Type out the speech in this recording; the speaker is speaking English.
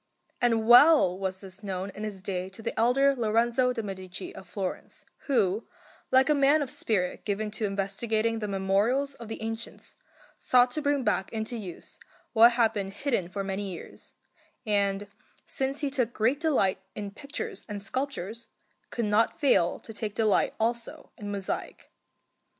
And well was this known in his day to the elder Lorenzo de' Medici of Florence, who, like a man of spirit given to investigating the memorials of the ancients, sought to bring back into use what had been hidden for many years, and, since he took great delight in pictures and sculptures, could not fail to take delight also in mosaic.